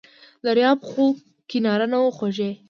دریاب و خو کناره نه وه خوږې!